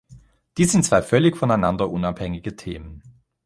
Dies sind zwei völlig voneinander unabhängige Themen.